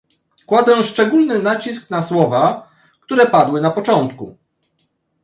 Kładę szczególny nacisk na słowa, które padły na początku